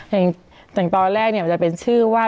อย่างตอนแรกเนี่ยมันจะเป็นชื่อว่า